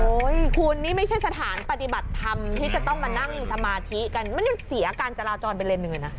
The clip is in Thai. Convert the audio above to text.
คุณนี่ไม่ใช่สถานปฏิบัติธรรมที่จะต้องมานั่งสมาธิกันมันยังเสียการจราจรไปเลนหนึ่งเลยนะ